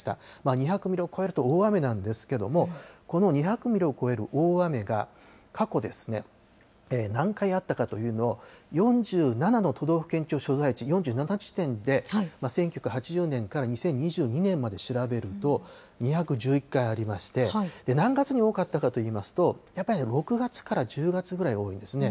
２００ミリを超えると大雨なんですけれども、この２００ミリを超える大雨が過去ですね、何回あったかというのを、４７の都道府県庁所在地、４７地点で、１９８０年から２０２２年まで調べると、２１１回ありまして、何月に多かったかといいますと、やっぱり６月から１０月ぐらいが多いですね。